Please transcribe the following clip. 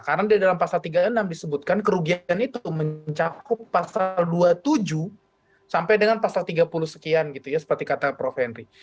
karena di dalam pasal tiga puluh enam disebutkan kerugian itu mencakup pasal dua puluh tujuh sampai dengan pasal tiga puluh sekian gitu ya seperti kata prof henry